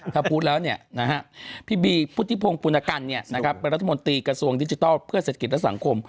ถ้าพูดแล้วพี่บีพุทธิพงศ์ปุณกันเป็นรัฐมนตรีกระทรวงดิจิทัลเพื่อเศรษฐกิจและสังคม